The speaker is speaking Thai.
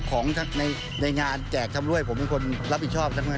ของในงานแจกชำรวยผมเป็นคนรับผิดชอบทั้งเงิน